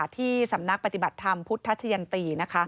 ที่สำนักปฏิบัติธรรมพุทธชะยันตี